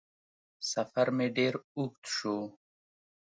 سفر مې ډېر اوږد شو